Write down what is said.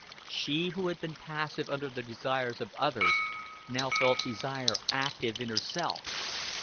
She who had been passive under the desires of others now felt desire active in herself.